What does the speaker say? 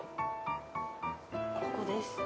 ここです。